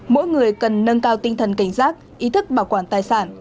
mỗi người cần nâng cao tinh thần cảnh giác ý thức bảo quản tài sản